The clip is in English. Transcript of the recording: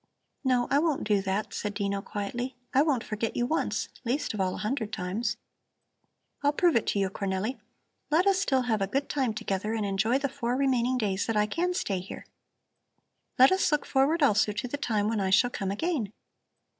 "No, I won't do that," said Dino quietly. "I won't forget you once, least of all a hundred times. I'll prove it to you, Cornelli. Let us still have a good time together and enjoy the four remaining days that I can stay here. Let us look forward, also, to the time when I shall come again.